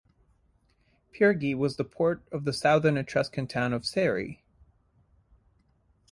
Pyrgi was the port of the southern Etruscan town of Caere.